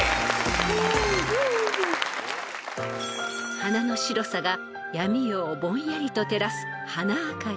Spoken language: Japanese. ［花の白さが闇夜をぼんやりと照らす］